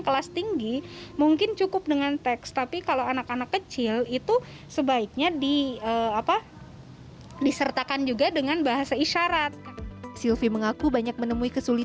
kali ini ada kisah seorang guru slb